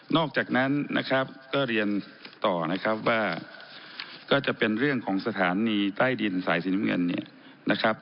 อกจากนั้นนะครับก็เรียนต่อนะครับว่าก็จะเป็นเรื่องของสถานีใต้ดินสายสีน้ำเงินเนี่ยนะครับ